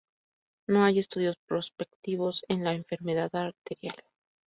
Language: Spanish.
No hay estudios prospectivos en la enfermedad arterial.